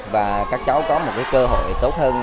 và các cháu có một cơ hội tốt hơn